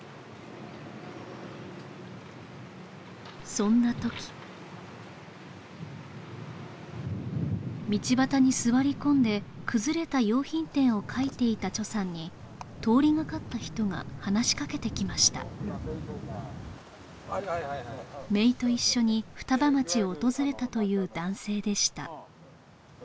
そんな時道端に座り込んで崩れた洋品店を描いていたさんに通りがかった人が話しかけてきました姪と一緒に双葉町を訪れたという男性でした